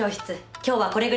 今日はこれぐらいで。